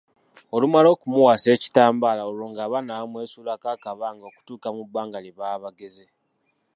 Olumala okumukwasa ekitambaala olwo ng’abaana bamwesuulako akabanga okutuuka mu bbanga lye baba bageze.